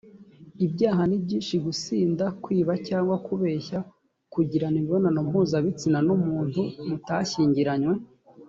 ibyaha ni byinshi gusinda kwiba cyangwa kubeshya kugirana imibonano mpuzabitsina n’umuntu mutashyingiranywe